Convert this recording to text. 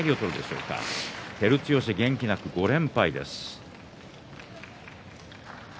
照強、元気なく５連敗です。